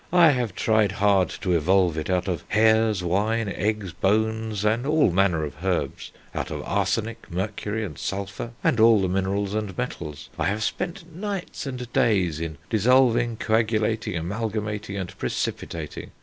I have tried hard to evolve it out of hairs, wine, eggs, bones, and all manner of herbs; out of arsenic, mercury, and sulphur, and all the minerals and metals.... I have spent nights and days in dissolving, coagulating, amalgamating, and precipitating.